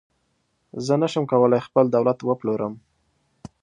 زه نشم کولای خپل دولت وپلورم.